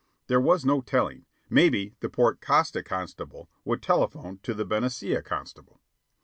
There was no telling. Maybe the Port Costa constable would telephone to the Benicia constable.